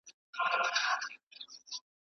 ¬ خپل په خپلو درنېږي.